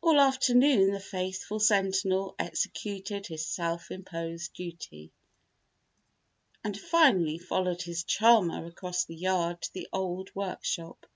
All afternoon the faithful sentinel executed his self imposed duty, and finally followed his charmer across the yard to the old workshop.